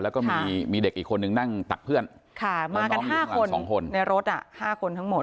แล้วก็มีเด็กอีกคนนึงนั่งตักเพื่อนน้องอยู่ข้างหลัง๒คน